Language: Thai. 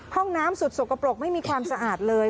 ห้องน้ำสุดสกปรกไม่มีความสะอาดเลย